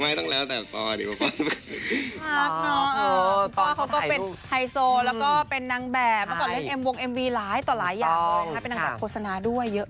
ไม่ต้องแล้วแต่ตัวดิแต่ตัวหลอก